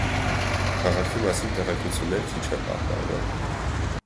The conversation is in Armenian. Քաղաքի մասին տեղեկություններ քիչ են պահպանվել։